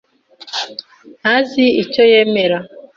ntazi icyo yemera.